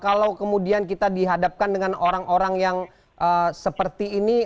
kalau kemudian kita dihadapkan dengan orang orang yang seperti ini